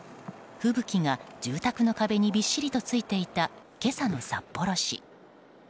吹雪が住宅の壁にびっしりとついていた今朝の札幌市。